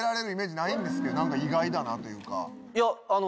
何か意外だなというか。